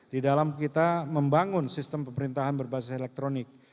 di dalam kita membangun sistem pemerintahan berbasis elektronik